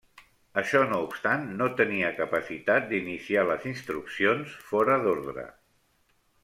Això no obstant, no tenia capacitat d'iniciar les instruccions fora d'ordre.